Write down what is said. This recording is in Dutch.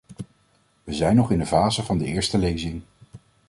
We zijn nog in de fase van de eerste lezing.